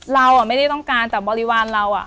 เราไม่ได้ต้องการแต่บริวารเรา